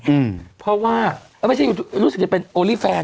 อืมเพราะว่าเออไม่ใช่รู้สึกจะเป็นโอลี่แฟน